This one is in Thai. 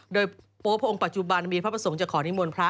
โดยโป๊พระองค์ปัจจุบันมีพระประสงค์จะขอนิมนต์พระ